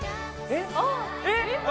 えっ？